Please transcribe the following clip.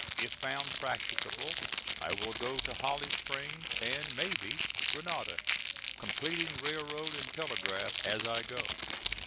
If found practicable, I will go to Holly Springs, and, may be, Grenada, completing railroad and telegraph as I go."